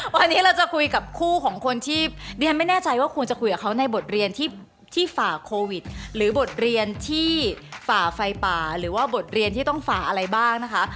วันนี้เราจะคุยกับคู่ของคนที่เรียนไม่แน่ใจว่าควรจะคุยกับเขาในบทเรียนที่ฝ่าโควิดหรือบทเรียนที่ฝ่าไฟป่าหรือว่าบทเรียนที่ต้องฝ่าอะไรบ้างนะคะ